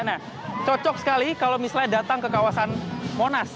nah cocok sekali kalau misalnya datang ke kawasan monas